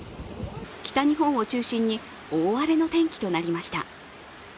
北日本を中心に大荒れの天気となりました。